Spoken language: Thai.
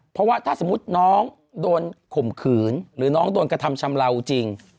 เพราะว่าถ้าสมมุติน้องโดนข่มขืนหรือน้องโดนกระทำชำเลาจริง